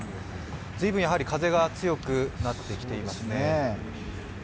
随分風が強くなってきていますね。